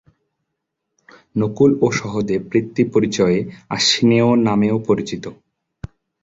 নকুল ও সহদেব পিতৃ-পরিচয়ে আশ্বিনেয় নামেও পরিচিত।